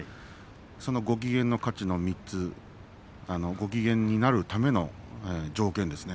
ご機嫌の価値ご機嫌になるための条件ですね。